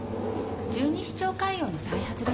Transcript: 十二指腸潰瘍の再発ですね。